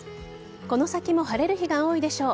この先も晴れる日が多いでしょう。